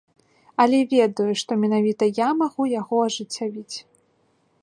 Але ведаю, што менавіта я магу яго ажыццявіць.